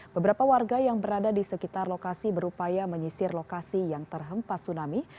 beberapa warga yang berada di sekitar lokasi berupaya menyisir lokasi yang terhempas tsunami